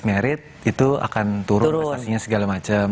merit itu akan turun prestasinya segala macam